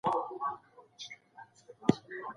احمد شاه ابدالي د خپلو سرتېرو ستاینه څنګه کوله؟